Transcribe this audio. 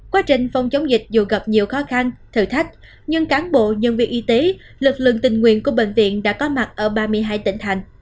quá trình phòng chống dịch dù gặp nhiều khó khăn thử thách nhưng cán bộ nhân viên y tế lực lượng tình nguyện của bệnh viện đã có mặt ở ba mươi hai tỉnh thành